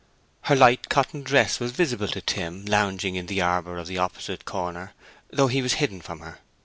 Her light cotton dress was visible to Tim lounging in the arbor of the opposite corner, though he was hidden from her.